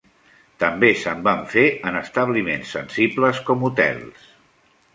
També se'n van fer en establiments sensibles com hotels.